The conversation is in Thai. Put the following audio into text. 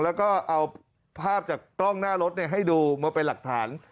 แล้วก็เอาภาพจากกล้องหน้ารถให้ดูมาเป็นหลักฐาน